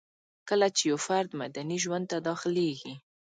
کله چي يو فرد مدني ژوند ته داخليږي